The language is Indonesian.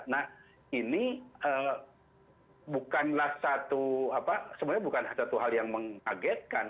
nah ini bukanlah satu apa sebenarnya bukan satu hal yang mengagetkan